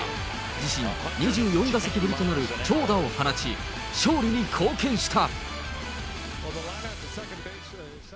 自身２４打席ぶりとなる長打を放ち、勝利に貢献した。